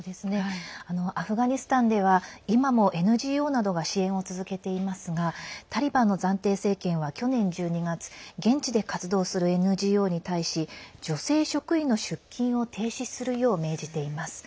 アフガニスタンでは今もＮＧＯなどが支援を続けていますがタリバンの暫定政権は去年１２月現地で活動するＮＧＯに対し女性職員の出勤を停止するよう命じています。